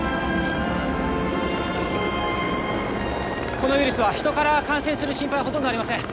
このウイルスは人から感染する心配はほとんどありません。